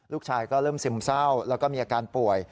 ลูกชายก็เริ่มซึมเศร้าแล้วก็มีอาการป่วย